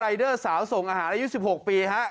รายเด้อสาวส่งอาหารและ๒๖ปีครับ